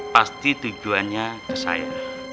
pasti tujuannya ke saya